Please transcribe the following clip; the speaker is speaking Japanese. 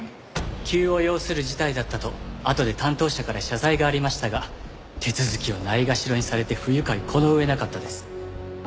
急を要する事態だったとあとで担当者から謝罪がありましたが手続きを蔑ろにされて不愉快この上なかったです。